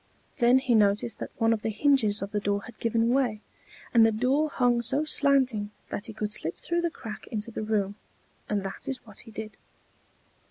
Then he noticed that one of the hinges of the door had given way, and the door hung so slanting that he could slip through the crack into the room; and that is what he did.